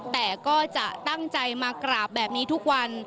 แต่ก็จะตั้งใจมากราบแบบนี้ทุกวัน